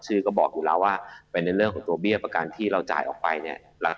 ก็บอกอยู่แล้วว่าเป็นในเรื่องของตัวเบี้ยประกันที่เราจ่ายออกไปเนี่ย